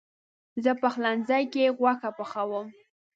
زه پخلنځي کې غوښه پخوم.